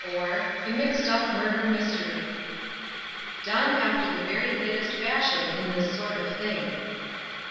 OR, THE MIXED UP MURDER MYSTERY (Done after the very latest fashion in this sort of thing) _IV.